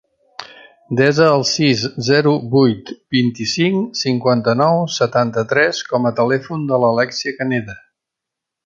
Desa el sis, zero, vuit, vint-i-cinc, cinquanta-nou, setanta-tres com a telèfon de l'Alèxia Caneda.